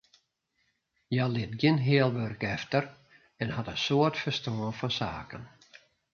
Hja lit gjin heal wurk efter en hat in soad ferstân fan saken.